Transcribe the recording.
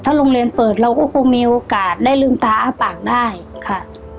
โรงเรียนเปิดเราก็คงมีโอกาสได้ลืมตาอ้าปากได้ค่ะ